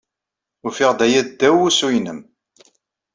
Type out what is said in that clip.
Ufiɣ-d aya ddaw wusu-nnem.